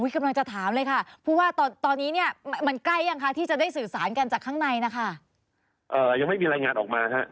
กำลังจะถามเลยค่ะ